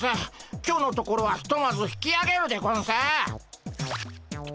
今日のところはひとまず引きあげるでゴンス。